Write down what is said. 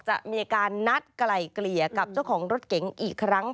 จะมีการนัดไกล่เกลี่ยกับเจ้าของรถเก๋งอีกครั้ง